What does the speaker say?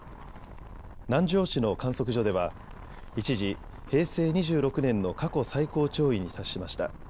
南城市の観測所では一時、平成２６年の過去最高潮位に達しました。